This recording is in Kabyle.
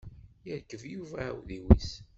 Yerkeb Yuba aɛudiw-is.